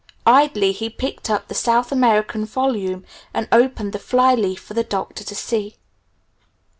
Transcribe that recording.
Idly he picked up the South American volume and opened the fly leaf for the Doctor to see.